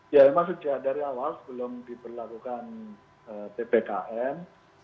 ya mas uciah dari awal sebelum diperlakukan ppkm